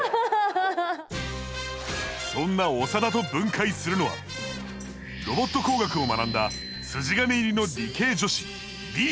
そんな長田と分解するのはロボット工学を学んだ筋金入りの理系女子梨衣名。